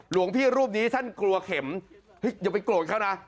หลวงพี่รูปนี้ท่านกลัวเข็มอย่าไปโกรธเขานะ